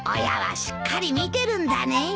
親はしっかり見てるんだね。